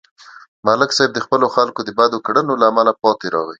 ملک صاحب د خپلو خلکو د بدو کړنو له امله پاتې راغی